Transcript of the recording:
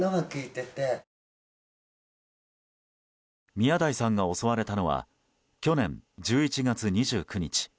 宮台さんが襲われたのは去年１１月２９日。